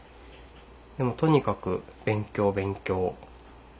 とにかく勉強勉強。